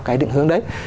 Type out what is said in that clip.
cái định hướng đấy